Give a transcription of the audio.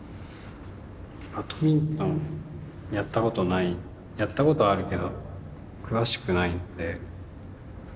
バドミントンやったことないやったことあるけど詳しくないんで。